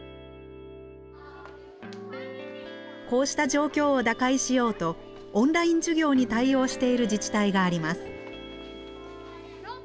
こうした状況を打開しようとオンライン授業に対応している自治体があります。